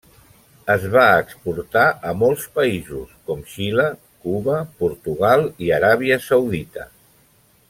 Es va exportar a molts països, com Xile, Cuba, Portugal i Aràbia Saudita.